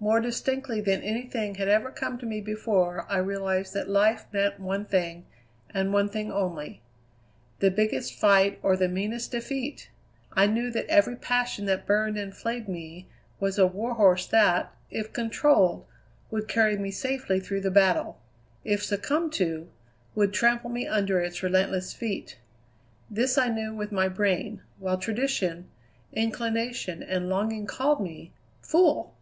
More distinctly than anything had ever come to me before I realized that life meant one thing, and one thing only: the biggest fight or the meanest defeat! I knew that every passion that burned and flayed me was a warhorse that, if controlled, would carry me safely through the battle; if succumbed to, would trample me under its relentless feet. This I knew with my brain, while tradition, inclination, and longing called me fool!